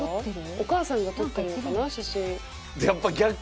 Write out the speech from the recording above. お母さんが撮ってるのかな写真。